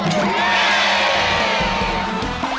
เข้าตัวแม่สนุก